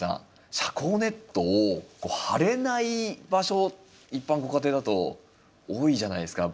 遮光ネットを張れない場所一般のご家庭だと多いじゃないですか。